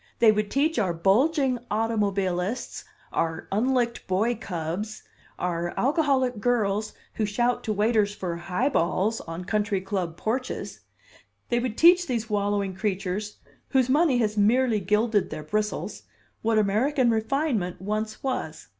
They would teach our bulging automobilists, our unlicked boy cubs, our alcoholic girls who shout to waiters for 'high balls' on country club porches they would teach these wallowing creatures, whose money has merely gilded their bristles, what American refinement once was.